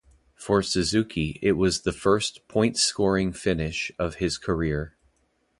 For Suzuki, it was the first points scoring finish of his career.